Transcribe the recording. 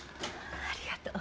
ありがとう。